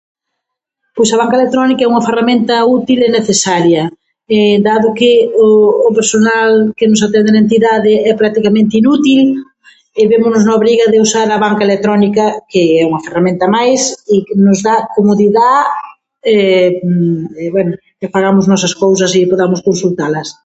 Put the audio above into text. Pois a banca electrónica é unha ferramenta útil e necesaria dado que o o personal que nos atende na entidade é practicamente inútil e vémonos na obriga de usar a banca electrónica, que é unha ferramenta máis, i que nos da comodidá e, bueno, que fagamos nós as nosas cousas i podamos consultalas.